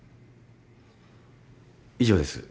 以上です。